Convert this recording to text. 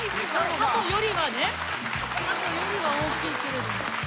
ハトよりは大きいけれども。